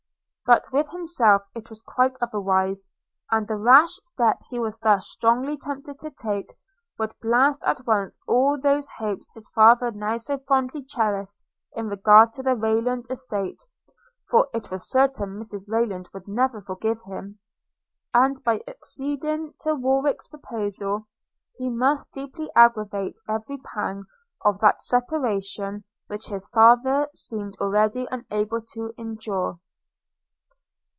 – But with himself it was quite otherwise; and the rash step he was thus strongly tempted to take, would blast at once all those hopes his father now so fondly cherished in regard to the Rayland estate (for it was certain Mrs Rayland would never forgive him); and, by acceding to Warwick's proposal, he must deeply aggravate every pang of that separation which his father seemed already unable to endure.